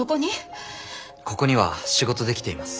ここには仕事で来ています。